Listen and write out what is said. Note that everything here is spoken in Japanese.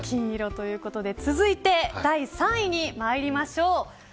続いて第３位に参りましょう。